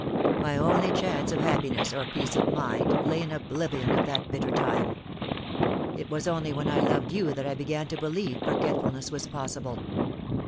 My only chance of happi ness or peace of mind lay in oblivion of that bitter time. It was only when I loved you that I began to believe f orgetf ulness was possible.